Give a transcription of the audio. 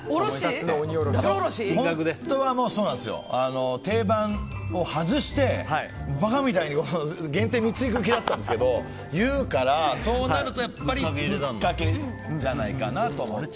本当は定番を外してバカみたいに限定３ついく気だったんですけど言うから、そうなるとやっぱりぶっかけじゃないかなと。